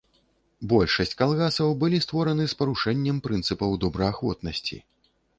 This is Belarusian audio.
Большасць калгасаў былі створаны з парушэннем прынцыпаў добраахвотнасці.